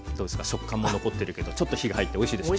食感も残ってるけどちょっと火が入っておいしいでしょ。